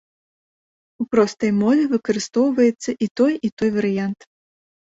У простай мове выкарыстоўваецца і той, і той варыянт.